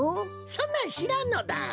そんなんしらんのだ！